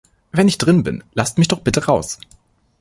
Wenn ich drin bin, lasst mich doch bitte raus!